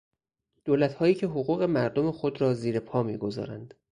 دولتهایی که حقوق مردم خود را زیر پا میگذارند